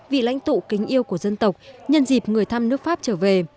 vị lãnh tụ kính yêu của dân tộc nhân dịp người thăm nước pháp trở về